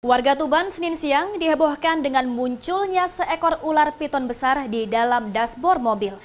warga tuban senin siang dihebohkan dengan munculnya seekor ular piton besar di dalam dashboard mobil